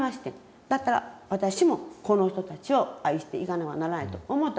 だったら私もこの人たちを愛していかねばならないと思ったんですよ。